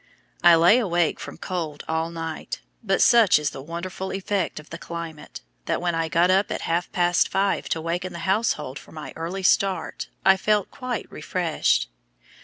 I lay awake from cold all night, but such is the wonderful effect of the climate, that when I got up at half past five to waken the household for my early start, I felt quite refreshed.